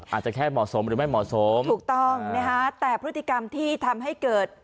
อาจจะแค่เหมาะสมหรือไม่เหมาะสมถูกต้องนะฮะแต่พฤติกรรมที่ทำให้เกิด